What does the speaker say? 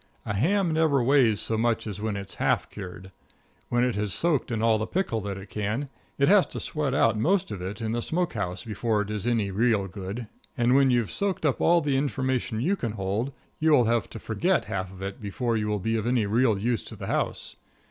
A ham never weighs so much as when it's half cured. When it has soaked in all the pickle that it can, it has to sweat out most of it in the smoke house before it is any real good; and when you've soaked up all the information you can hold, you will have to forget half of it before you will be of any real use to the house.